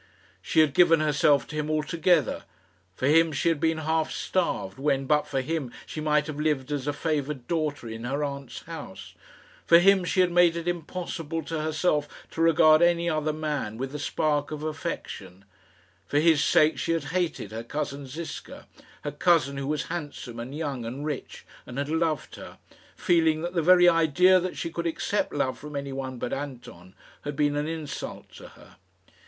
She had given herself to him altogether for him she had been half starved, when, but for him, she might have lived as a favoured daughter in her aunt's house for him she had made it impossible to herself to regard any other man with a spark of affection for his sake she had hated her cousin Ziska her cousin who was handsome, and young, and rich, and had loved her feeling that the very idea that she could accept love from anyone but Anton had been an insult to her.